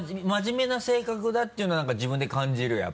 真面目な性格だっていうのは自分で感じる？